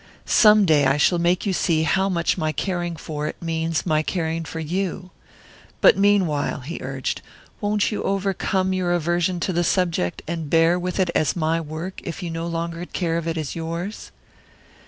"Some day I shall make you see how much my caring for it means my caring for you. But meanwhile," he urged, "won't you overcome your aversion to the subject, and bear with it as my work, if you no longer care to think of it as yours?"